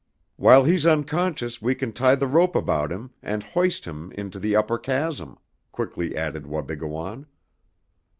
"While he's unconscious we can tie the rope about him and hoist him into the upper chasm," quickly added Wabigoon.